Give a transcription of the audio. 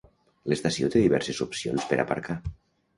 L'estació té diverses opcions per aparcar.